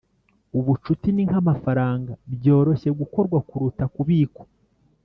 ubucuti ni nkamafaranga, byoroshye gukorwa kuruta kubikwa